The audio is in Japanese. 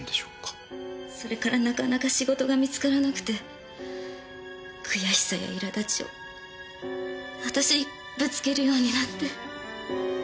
それからなかなか仕事が見つからなくて悔しさや苛立ちを私にぶつけるようになって。